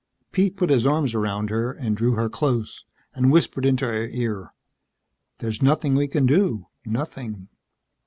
Pete put his arms around her and drew her close and whispered into her ear. "There's nothing we can do nothing."